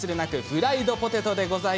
フライドポテト。